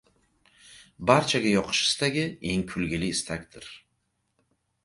Barchaga yoqish istagi eng kulgili istakdir.